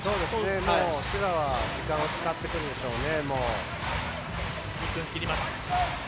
千葉は時間を使ってくるでしょうね。